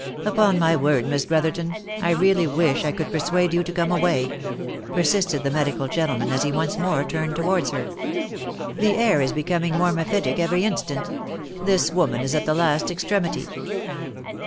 " Upon my word, Miss Brotherton, I really wish I could persuade you to come away," persisted the medical gentleman as he once more turned towards her. The air is becoming more mephitic every instant. " This woman is at the last extremity."